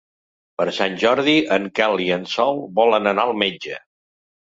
Per Sant Jordi en Quel i en Sol volen anar al metge.